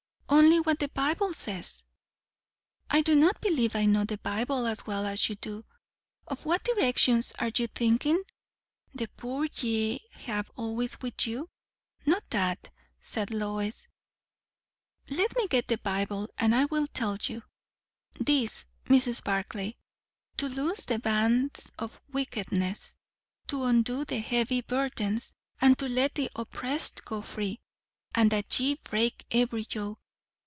"Only what the Bible says." "I do not believe I know the Bible as well as you do. Of what directions are you thinking? 'The poor ye have always with you'?" "Not that," said Lois. "Let me get my Bible, and I will tell you. This, Mrs. Barclay 'To loose the bands of wickedness, to undo the heavy burdens, and to let the oppressed go free, and that ye break every yoke.....